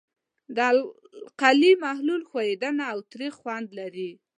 د القلي محلول ښوینده او تریخ خوند لري.